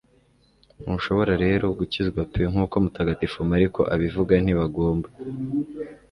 Ntushobora rero gukizwa pe nkuko Mutagatifu Mariko abivuga ntibagomba.